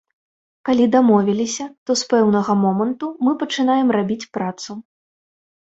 Калі дамовіліся, то з пэўнага моманту мы пачынаем рабіць працу.